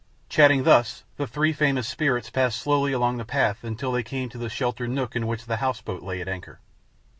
Chatting thus, the three famous spirits passed slowly along the path until they came to the sheltered nook in which the house boat lay at anchor.